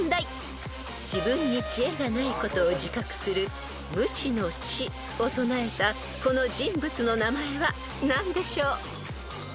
［自分に知恵がないことを自覚する「無知の知」を唱えたこの人物の名前は何でしょう？］